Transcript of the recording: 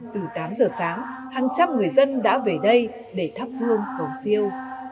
từ tám giờ sáng hàng trăm người dân đã về đây để thắp hương cầu siêu